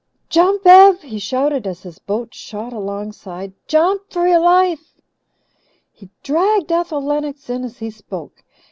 "Jump, Ev!" he shouted as his boat shot alongside. "Jump for your life!" He dragged Ethel Lennox in as he spoke.